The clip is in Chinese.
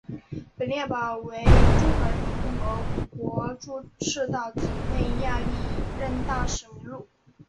本列表为中华人民共和国驻赤道几内亚历任大使名录。